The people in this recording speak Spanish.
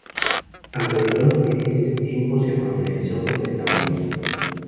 Alrededor de este tiempo se familiarizó con el taoísmo.